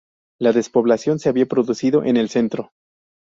La despoblación se había producido en el centro.